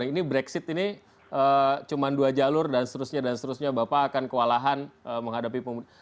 ini brexit ini cuma dua jalur dan seterusnya dan seterusnya bapak akan kewalahan menghadapi pemilu